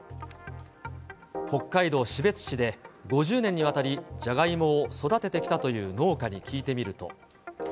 北海道士別市で、５０年にわたり、じゃがいもを育ててきたという農家に聞いてみると。